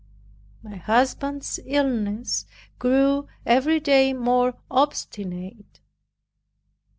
My husband's illness grew every day more obstinate.